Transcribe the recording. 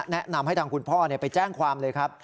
แนะนำให้ทางคุณพ่อไปแจ้งความเลยครับ